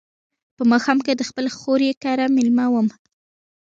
په ماښام د خپل خوریي کره مېلمه وم.